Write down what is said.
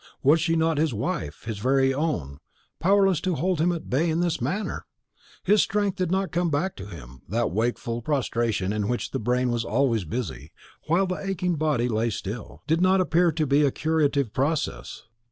Was she not his wife his very own powerless to hold him at bay in this manner? His strength did not come back to him; that wakeful prostration in which the brain was always busy, while the aching body lay still, did not appear to be a curative process.